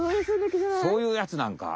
そういうやつなんか。